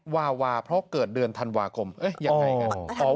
วาวาเพราะเกิดเดือนธันวาคมยังไงกัน